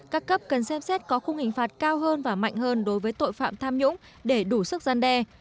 các cấp cần xem xét có khung hình phạt cao hơn và mạnh hơn đối với tội phạm tham nhũng để đủ sức gian đe